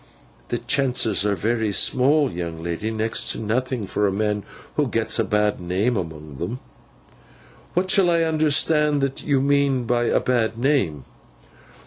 'The chances are very small, young lady—next to nothing—for a man who gets a bad name among them.' 'What shall I understand that you mean by a bad name?